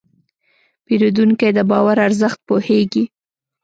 پیرودونکی د باور ارزښت پوهېږي.